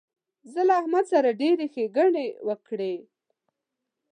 زه له احمد سره ډېرې ښېګڼې وکړې.